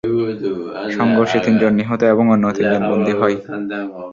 সংঘর্ষে তিনজন নিহত এবং অন্য তিনজন বন্দি হয়।